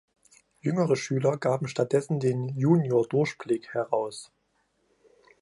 Jüngere Schüler gaben stattdessen den „Junior Durchblick“ heraus.